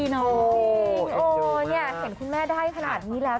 จริงเห็นคุณแม่ได้ขนาดนี้แล้ว